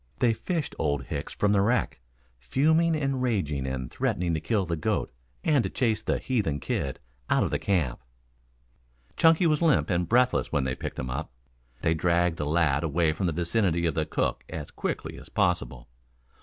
They fished Old Hicks from the wreck, fuming and raging and threatening to kill the goat and to chase the "heathen kid" out of the camp. Chunky was limp and breathless when they picked him up. They dragged the lad away from the vicinity of the cook as quickly as possible.